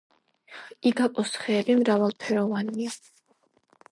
იგაპოს ხეები მრავალფეროვანია.